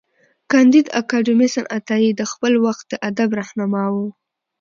کانديد اکاډميسن عطايي د خپل وخت د ادب رهنما و.